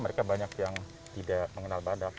mereka banyak yang tidak mengenal badak